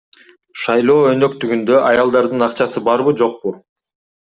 Шайлоо өнөктүгүндө аялдардын акчасы барбы, жокпу?